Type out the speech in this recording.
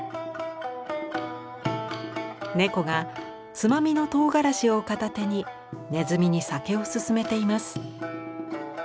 猫がツマミのとうがらしを片手に鼠に酒をすすめています。